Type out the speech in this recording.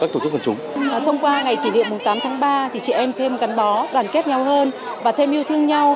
thông qua ngày kỷ niệm tám tháng ba thì chị em thêm gắn bó đoàn kết nhau hơn và thêm yêu thương nhau